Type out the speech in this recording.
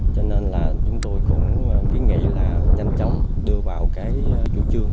cho nên là chúng tôi cũng nghĩ là nhanh chóng đưa vào cái chủ trương